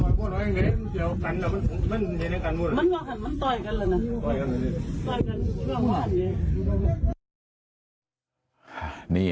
โอ้เป็นร่อยด้วยน่ะเนี่ย